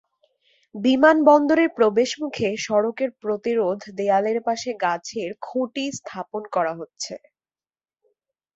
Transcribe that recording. বিমানবন্দরের প্রবেশমুখে সড়কের প্রতিরোধ দেয়ালের পাশে গাছের খুঁটি স্থাপন করা হচ্ছে।